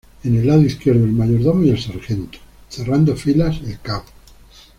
En el lado izquierdo el Mayordomo y el Sargento, cerrando filas el Cabo.